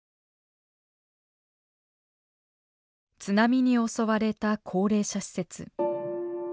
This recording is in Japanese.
津波に襲われた高齢者施設。